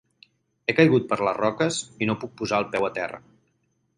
He caigut per les roques i no puc posar el peu a terra.